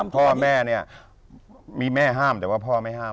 พ่อแม่เนี่ยมีแม่ห้ามแต่ว่าพ่อไม่ห้าม